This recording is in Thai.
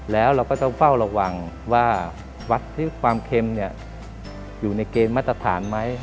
แล้วเราก็ต้องเฝ้าระวังว่าวัดที่ความเค็มอยู่ในเกณฑ์มาตรฐานไหม